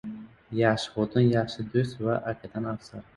• Yaxshi xotin yaxshi do‘st va akadan afzal.